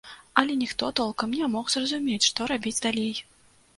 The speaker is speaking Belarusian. Але ніхто толкам не мог зразумець, што рабіць далей.